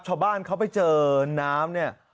ชาวบ้านเขาไปเจอน้ำเนี่ย